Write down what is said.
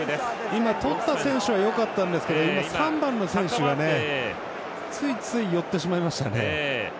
今、とった選手はよかったんですけど３番の選手がついつい寄ってしまいましたね。